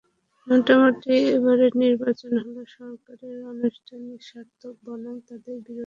মোটামুটি এবারের নির্বাচন হলো সরকারের আনুষ্ঠানিক সমর্থক বনাম তাদের বিরোধী পক্ষ।